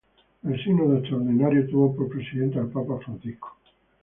El sínodo extraordinario tuvo por presidente al papa Francisco.